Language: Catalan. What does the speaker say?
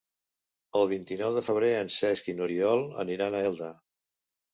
El vint-i-nou de febrer en Cesc i n'Oriol aniran a Elda.